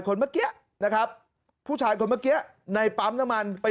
คนเมื่อกี้นะครับผู้ชายคนเมื่อกี้ในปั๊มน้ำมันไป